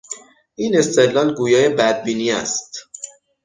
این استدلال گویای بدبینی است.